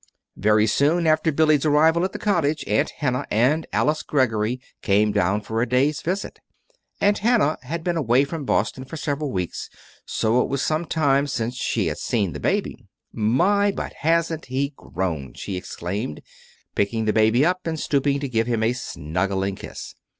Very soon after Billy's arrival at the cottage, Aunt Hannah and Alice Greggory came down for a day's visit. Aunt Hannah had been away from Boston for several weeks, so it was some time since she had seen the baby. "My, but hasn't he grown!" she exclaimed, picking the baby up and stooping to give him a snuggling kiss.